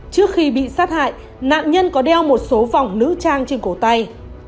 trước khi bị sát hại nạn nhân có đeo một số vòng nữ trang trên cổ tay